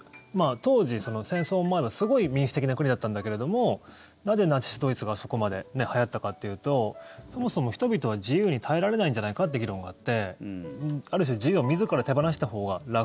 当時、戦争前はすごい民主的な国だったんだけれどもなぜ、ナチス・ドイツがそこまではやったかというとそもそも人々は自由に耐えられないんじゃないかって議論があってある種自由を自ら手放したほうが楽。